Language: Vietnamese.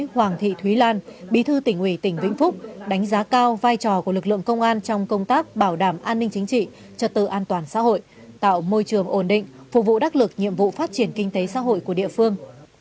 hoàng thị thúy lan bí thư tỉnh ủy tỉnh vĩnh phúc đánh giá cao vai trò của lực lượng công an trong công tác bảo đảm an ninh chính trị trật tự an toàn xã hội tạo môi trường ổn định phục vụ đắc lực nhiệm vụ phát triển kinh tế xã hội của địa phương